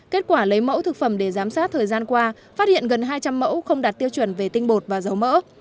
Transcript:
kết quả lấy mẫu thực phẩm để giám sát thời gian qua phát hiện gần hai trăm linh mẫu không đạt tiêu chuẩn về tinh bột và dấu mỡ